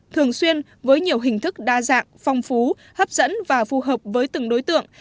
thường xuyên với nhiều hình thức đa dạng phong phú hấp dẫn và phù hợp với từng đối tượng